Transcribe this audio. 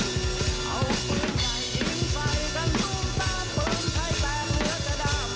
เอาเพื่อนใหญ่อิ่งไปกันทุ่มตาเพิ่มใจแตกเหลือจะดาม